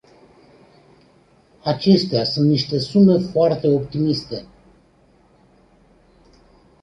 Acestea sunt niște sume foarte optimiste.